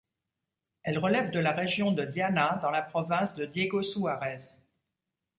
Elle relève de la région de Diana, dans la province de Diego-Suarez.